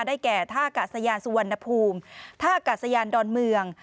แก่ท่ากาศยานสุวรรณภูมิท่ากาศยานดอนเมือง